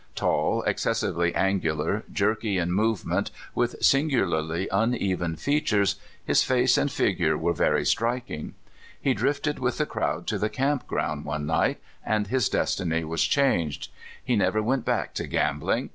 Tall, excessively angular, jerky in movement, with sin gularly uneven features, his face and figure were very striking. He drifted with the crowd to the camp ground one night, and his destiny was changed. He never went back to gambling.